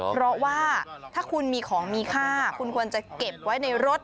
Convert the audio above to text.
เพราะว่าถ้าคุณมีของมีค่าคุณควรจะเก็บไว้ในรถ